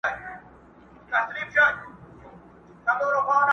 خانان او پاچاهان له دې شیطانه په امان دي٫